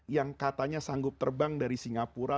yang katanya sanggup terbang dari singapura